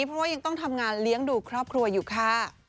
เพราะว่ายังต้องทำงานเลี้ยงดูครอบครัวอยู่ค่ะ